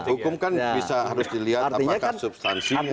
hukum kan bisa harus dilihat apakah substansinya